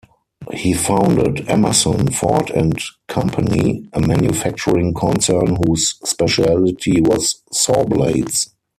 He founded Emerson, Ford and Company, a manufacturing concern whose specialty was saw blades.